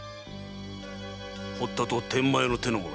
堀田と天満屋の手の者にな。